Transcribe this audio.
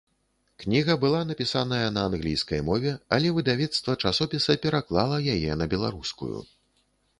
Кніга была напісаная на англійскай мове, але выдавецтва часопіса пераклала яе на беларускую.